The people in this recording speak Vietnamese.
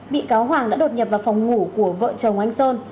bị cáo hoàng đã đột nhập vào phòng ngủ của vợ chồng anh sơn